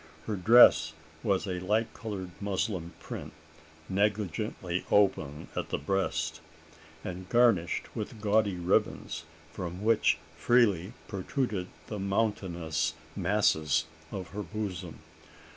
Her dress was a light coloured muslin print negligently open at the breast, and garnished with gaudy ribbons, from which freely protruded the mountainous masses of her bosom.